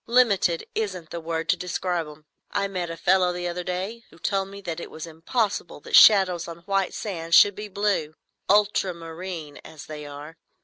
Limited isn't the word to describe 'em. I met a fellow the other day who told me that it was impossible that shadows on white sand should be blue,—ultramarine,—as they are.